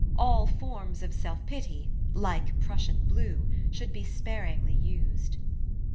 All forms of self pity, like Prussian blue, should be sparingly used.